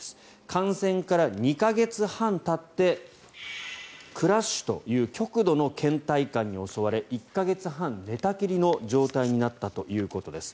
感染から２か月半たってクラッシュという極度のけん怠感に襲われ１か月半、寝たきりの状態になったということです。